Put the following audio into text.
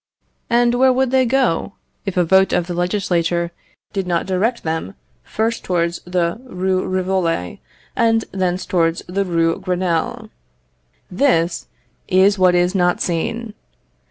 and where would they go, if a vote of the legislature did not direct them first towards the Rue Rivoli and thence towards the Rue Grenelle? This is what is not seen.